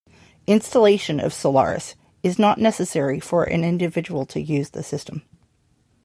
Installation of Solaris is not necessary for an individual to use the system.